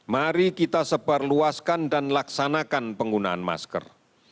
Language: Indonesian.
mari kita sebarluaskan dan laksanakan penggunaan masker